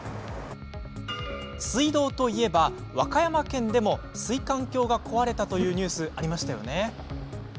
水道といえば、和歌山県でも水管橋が壊れたニュースもありましたよね？